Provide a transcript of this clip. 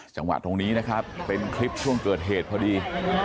จังหวะตรงนี้นะครับเป็นคลิปช่วงเกิดเหตุพอดี